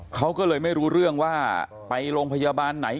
เขาก็เลยไม่รู้เรื่องว่าไปโรงพยาบาลไหน